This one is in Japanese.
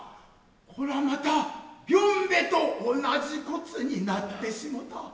こらまたよんべと同じ事になってしもた。